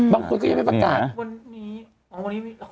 บางคนก็ยังไม่ประกาศ